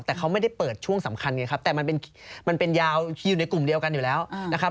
แต่เขาไม่ได้เปิดช่วงสำคัญไงครับแต่มันเป็นยาวอยู่ในกลุ่มเดียวกันอยู่แล้วนะครับ